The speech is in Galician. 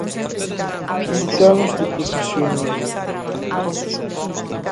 Vinte anos de profesional.